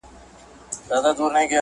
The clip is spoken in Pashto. مور مي راته وويل.